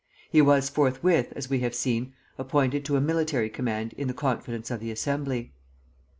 He was forthwith, as we have seen, appointed to a military command in the confidence of the Assembly.